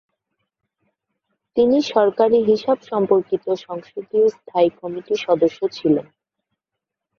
তিনি সরকারী হিসাব সম্পর্কিত সংসদীয় স্থায়ী কমিটির সদস্য ছিলেন।